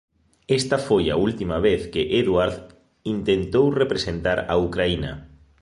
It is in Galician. Esta foi a última vez que Eduard intentou representar a Ucraína.